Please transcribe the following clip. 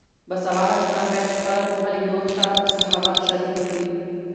باسواده کسان باید خپله پوهه له نورو سره په سخاوت شریکه کړي.